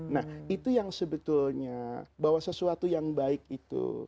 nah itu yang sebetulnya bahwa sesuatu yang baik itu